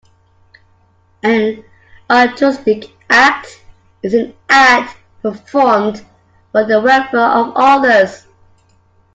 An altruistic act is an act performed for the welfare of others.